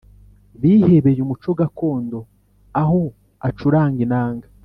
bihebeye umuco gakondo aho acuranga Inanga